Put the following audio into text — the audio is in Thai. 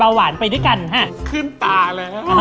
แล้วนี่เนี่ยเสร็จหรือยัง